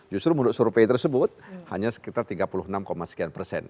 justru menurut survei tersebut hanya sekitar tiga puluh enam sekian persen